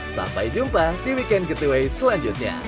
sampai jumpa di weekend getaway selanjutnya